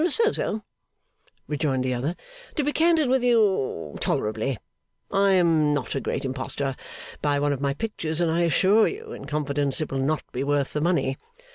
'So so,' rejoined the other. 'To be candid with you, tolerably. I am not a great impostor. Buy one of my pictures, and I assure you, in confidence, it will not be worth the money.